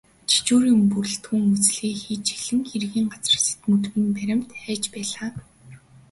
Жижүүрийн бүрэлдэхүүн үзлэгээ хийж эхлэн хэргийн газраас эд мөрийн баримт хайж байлаа.